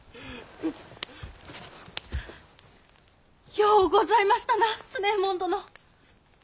ようございましたな強右衛門殿！